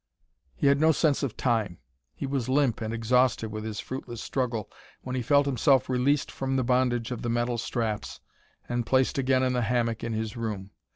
He had no sense of time; he was limp and exhausted with his fruitless struggle when he felt himself released from the bondage of the metal straps and placed again in the hammock in his room.